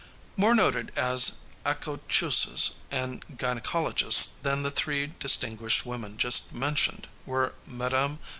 More noted as accoucheuses and gynecologists than the three distinguished women just mentioned were Mme.